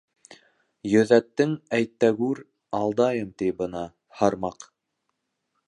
Йөҙәттең әйтәгүр..Алдайым ти бына, һармаҡ.